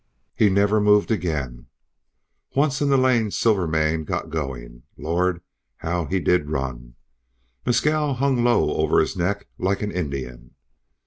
He never moved again. Once in the lane Silvermane got going Lord! how he did run! Mescal hung low over his neck like an Indian.